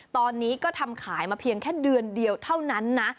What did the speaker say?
ตอนนี้ก็ทำขายมาเพียงแค่เดือนเดียวเท่านั้นนะ